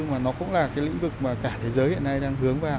mà nó cũng là cái lĩnh vực mà cả thế giới hiện nay đang hướng vào